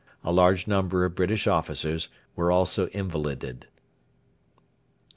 A large number of British officers were also invalided.